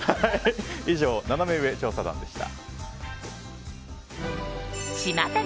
以上、ナナメ上調査団でした。